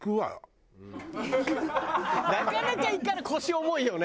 なかなか行かない腰重いよね。